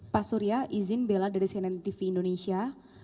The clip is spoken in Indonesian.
pak surya izin bela dari cnn tv indonesia